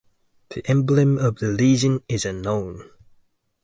The emblem of the legion is unknown.